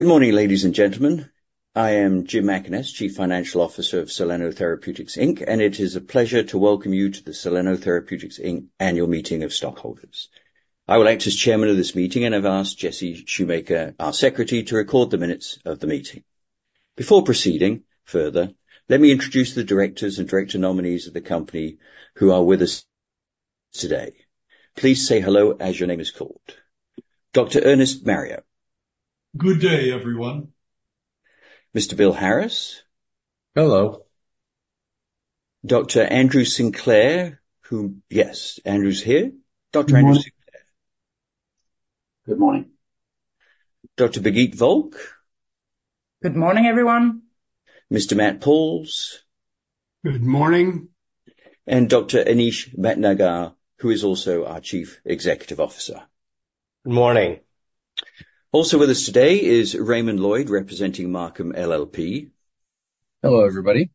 Good morning, ladies and gentlemen. I am Jim Mackaness, Chief Financial Officer of Soleno Therapeutics, Inc., and it is a pleasure to welcome you to the Soleno Therapeutics, Inc. annual meeting of stockholders. I will act as Chairman of this meeting, and I've asked Jesse Schumacher, our Secretary, to record the minutes of the meeting. Before proceeding further, let me introduce the directors and director nominees of the company who are with us today. Please say hello as your name is called. Dr. Ernest Mario. Good day, everyone. Mr. Bill Harris. Hello. Dr. Andrew Sinclair, who, yes, Andrew's here. Dr. Andrew Sinclair. Good morning. Dr. Birgitte Volck. Good morning, everyone. Mr. Matthew Pauls. Good morning. Dr. Anish Bhatnagar, who is also our Chief Executive Officer. Good morning. Also with us today is Raymond Lloyd, representing Marcum LLP. Hello, everybody.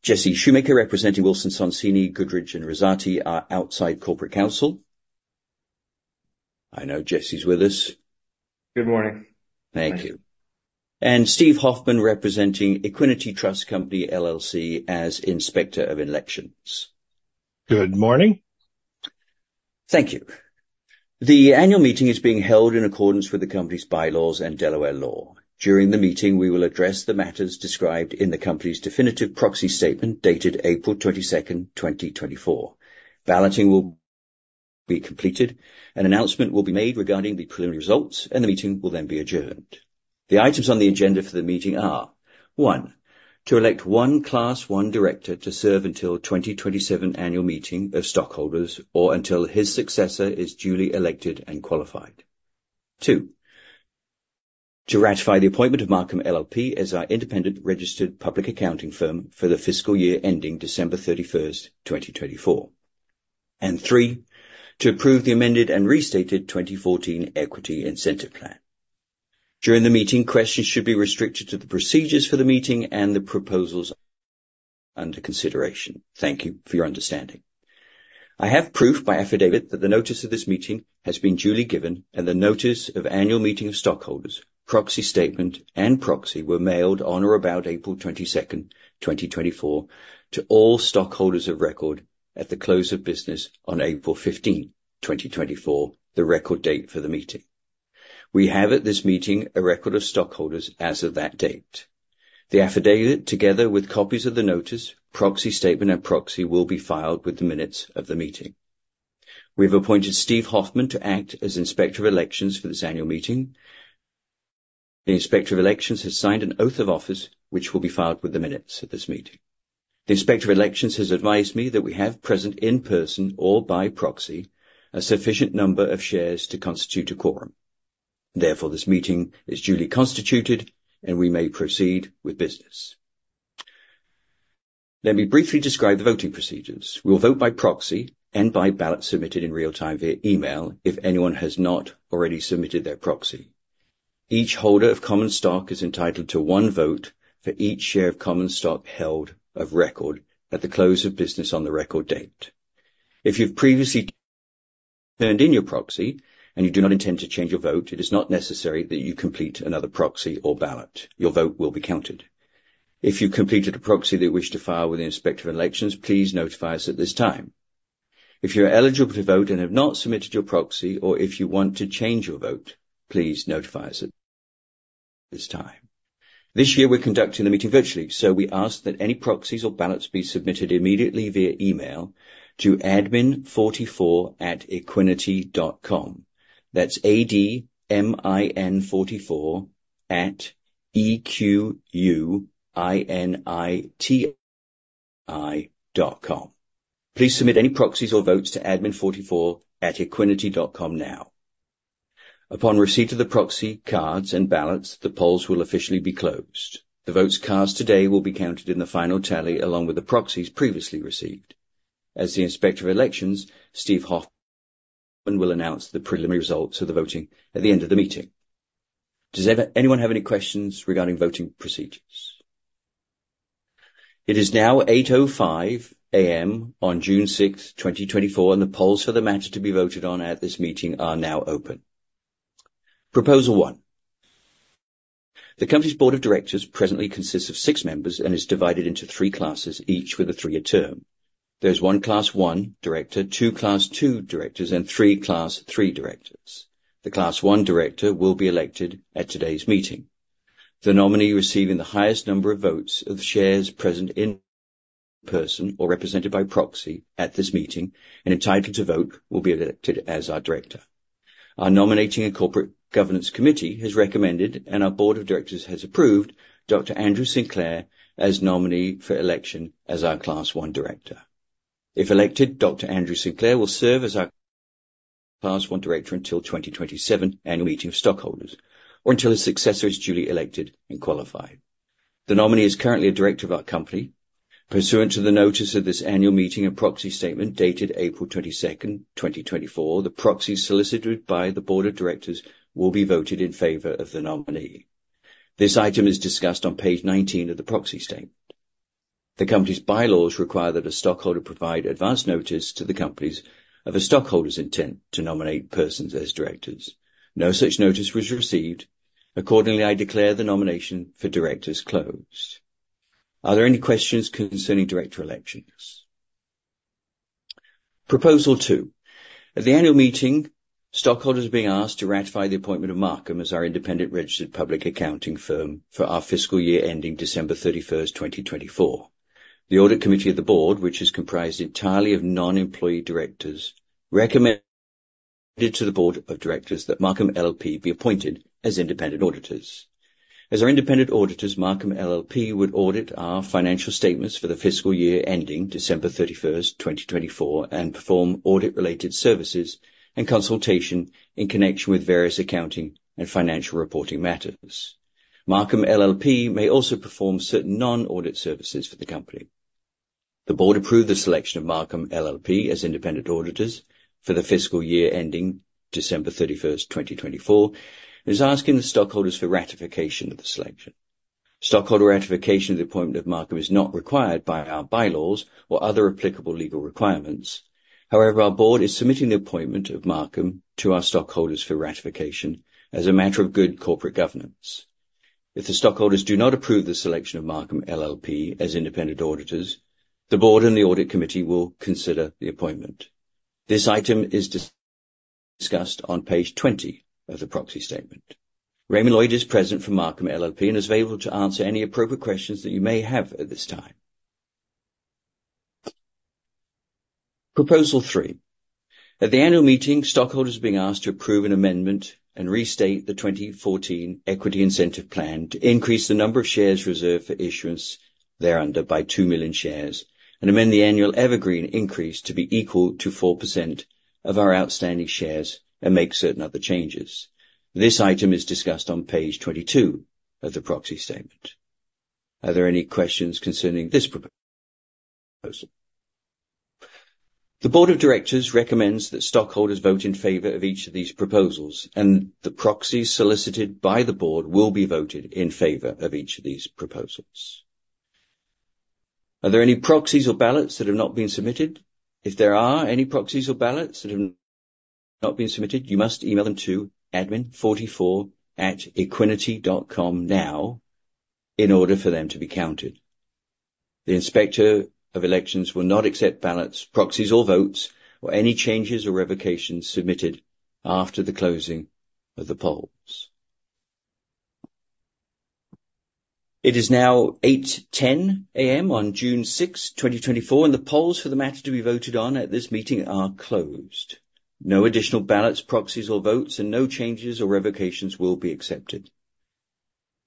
Jesse Schumacher, representing Wilson Sonsini Goodrich & Rosati, our outside corporate counsel. I know Jesse's with us. Good morning. Thank you. Steve Hoffman, representing Equiniti Trust Company, LLC as Inspector of Elections. Good morning. Thank you. The annual meeting is being held in accordance with the company's bylaws and Delaware law. During the meeting, we will address the matters described in the company's definitive proxy statement dated April 22nd, 2024. Balloting will be completed. An announcement will be made regarding the preliminary results, and the meeting will then be adjourned. The items on the agenda for the meeting are: one, to elect one Class 1 Director to serve until the 2027 annual meeting of stockholders or until his successor is duly elected and qualified. Two, to ratify the appointment of Marcum LLP as our independent registered public accounting firm for the fiscal year ending December 31st, 2024. And three, to approve the amended and restated 2014 Equity Incentive Plan. During the meeting, questions should be restricted to the procedures for the meeting and the proposals under consideration. Thank you for your understanding. I have proof by affidavit that the notice of this meeting has been duly given, and the notice of annual meeting of stockholders, proxy statement, and proxy were mailed on or about April 22nd, 2024, to all stockholders of record at the close of business on April 15th, 2024, the record date for the meeting. We have at this meeting a record of stockholders as of that date. The affidavit, together with copies of the notice, proxy statement, and proxy will be filed with the minutes of the meeting. We have appointed Steve Hoffman to act as Inspector of Elections for this annual meeting. The Inspector of Elections has signed an oath of office, which will be filed with the minutes of this meeting. The Inspector of Elections has advised me that we have present in person or by proxy a sufficient number of shares to constitute a quorum. Therefore, this meeting is duly constituted, and we may proceed with business. Let me briefly describe the voting procedures. We will vote by proxy and by ballot submitted in real time via email if anyone has not already submitted their proxy. Each holder of common stock is entitled to one vote for each share of common stock held of record at the close of business on the record date. If you've previously turned in your proxy and you do not intend to change your vote, it is not necessary that you complete another proxy or ballot. Your vote will be counted. If you completed a proxy that you wish to file with the Inspector of Elections, please notify us at this time. If you're eligible to vote and have not submitted your proxy, or if you want to change your vote, please notify us at this time. This year, we're conducting the meeting virtually, so we ask that any proxies or ballots be submitted immediately via email to admin44@equiniti.com. That's admin44@equiniti.com. Please submit any proxies or votes to admin44@equiniti.com now. Upon receipt of the proxy cards and ballots, the polls will officially be closed. The votes cast today will be counted in the final tally along with the proxies previously received. As the Inspector of Elections, Steve Hoffman will announce the preliminary results of the voting at the end of the meeting. Does anyone have any questions regarding voting procedures? It is now 8:05 A.M. on June 6th, 2024, and the polls for the matter to be voted on at this meeting are now open. Proposal One. The company's board of directors presently consists of six members and is divided into three classes, each with a three-year term. There is one Class 1 Director, two Class 2 Directors, and three Class 3 Directors. The Class 1 Director will be elected at today's meeting. The nominee receiving the highest number of votes of the shares present in person or represented by proxy at this meeting and entitled to vote will be elected as our director. Our Nominating and Corporate Governance Committee has recommended, and our Board of Directors has approved, Dr. Andrew Sinclair as nominee for election as our Class 1 Director. If elected, Dr. Andrew Sinclair will serve as our Class 1 Director until the 2027 annual meeting of stockholders or until his successor is duly elected and qualified. The nominee is currently a director of our company. Pursuant to the notice of this annual meeting and proxy statement dated April 22nd, 2024, the proxies solicited by the Board of Directors will be voted in favor of the nominee. This item is discussed on page 19 of the proxy statement. The company's bylaws require that a stockholder provide advance notice to the company of a stockholder's intent to nominate persons as directors. No such notice was received. Accordingly, I declare the nomination for directors closed. Are there any questions concerning director elections? Proposal Two. At the annual meeting, stockholders are being asked to ratify the appointment of Marcum as our independent registered public accounting firm for our fiscal year ending December 31st, 2024. The audit committee of the board, which is comprised entirely of non-employee directors, recommended to the board of directors that Marcum LLP be appointed as independent auditors. As our independent auditors, Marcum LLP would audit our financial statements for the fiscal year ending December 31st, 2024, and perform audit-related services and consultation in connection with various accounting and financial reporting matters. Marcum LLP may also perform certain non-audit services for the company. The board approved the selection of Marcum LLP as independent auditors for the fiscal year ending December 31st, 2024, and is asking the stockholders for ratification of the selection. Stockholder ratification of the appointment of Marcum is not required by our bylaws or other applicable legal requirements. However, our board is submitting the appointment of Marcum to our stockholders for ratification as a matter of good corporate governance. If the stockholders do not approve the selection of Marcum LLP as independent auditors, the board and the audit committee will consider the appointment. This item is discussed on page 20 of the proxy statement. Raymond Lloyd is present for Marcum LLP and is available to answer any appropriate questions that you may have at this time. Proposal Three. At the annual meeting, stockholders are being asked to approve an amendment and restate the 2014 Equity Incentive Plan to increase the number of shares reserved for issuance thereunder by 2 million shares and amend the annual evergreen increase to be equal to 4% of our outstanding shares and make certain other changes. This item is discussed on page 22 of the proxy statement. Are there any questions concerning this proposal? The board of directors recommends that stockholders vote in favor of each of these proposals, and the proxies solicited by the board will be voted in favor of each of these proposals. Are there any proxies or ballots that have not been submitted? If there are any proxies or ballots that have not been submitted, you must email them to admin44@equiniti.com now in order for them to be counted. The Inspector of Elections will not accept ballots, proxies, or votes or any changes or revocations submitted after the closing of the polls. It is now 8:10 A.M. on June 6th, 2024, and the polls for the matter to be voted on at this meeting are closed. No additional ballots, proxies, or votes, and no changes or revocations will be accepted.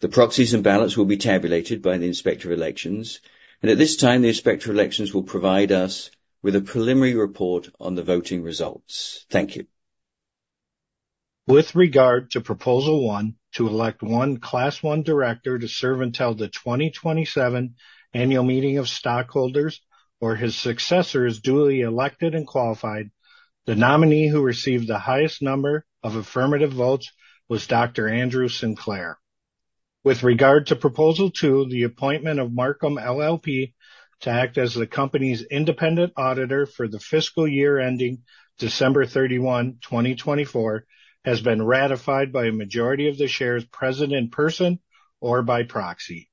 The proxies and ballots will be tabulated by the Inspector of Elections, and at this time, the Inspector of Elections will provide us with a preliminary report on the voting results. Thank you. With regard to Proposal One, to elect one Class 1 Director to serve until the 2027 annual meeting of stockholders or his successor is duly elected and qualified, the nominee who received the highest number of affirmative votes was Dr. Andrew Sinclair. With regard to Proposal Two, the appointment of Marcum LLP to act as the company's independent auditor for the fiscal year ending December 31st, 2024, has been ratified by a majority of the shares present in person or by proxy.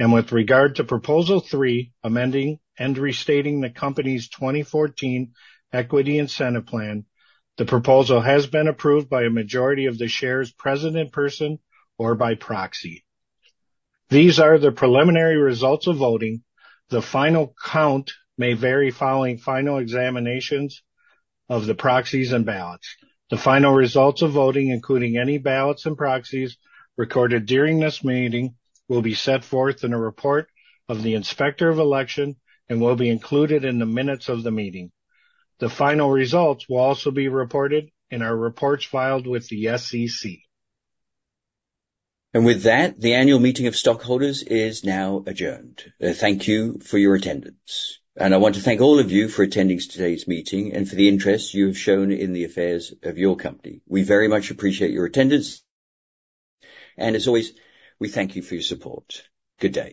With regard to Proposal Three, amending and restating the company's 2014 Equity Incentive Plan, the proposal has been approved by a majority of the shares present in person or by proxy. These are the preliminary results of voting. The final count may vary following final examinations of the proxies and ballots. The final results of voting, including any ballots and proxies recorded during this meeting, will be set forth in a report of the Inspector of Election and will be included in the minutes of the meeting. The final results will also be reported in our reports filed with the SEC. And with that, the annual meeting of stockholders is now adjourned. Thank you for your attendance. And I want to thank all of you for attending today's meeting and for the interest you have shown in the affairs of your company. We very much appreciate your attendance. And as always, we thank you for your support. Good day.